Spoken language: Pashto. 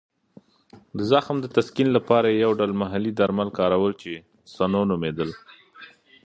د زخم د تسکین لپاره یې یو ډول محلي درمل کارول چې سنو نومېدل.